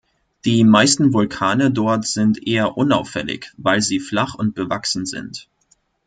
Die meisten Vulkane dort sind eher unauffällig, weil sie flach und bewachsen sind.